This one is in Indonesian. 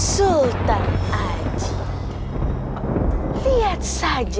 sultan aj lihat saja nanti